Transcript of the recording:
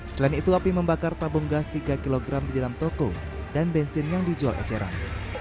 selain itu api membakar tabung gas tiga kg di dalam toko dan bensin yang dijual eceran